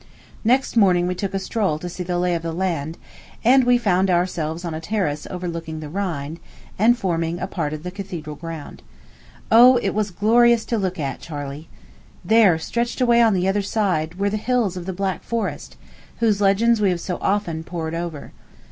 Next morning we took a stroll to see the lay of the land; and we found ourselves on a terrace overlooking the Rhine, and forming a part of the cathedral ground. O, it was glorious to look at, Charley. There, stretched away on the other side, were the hills of the Black Forest, whose legends we have so often pored over.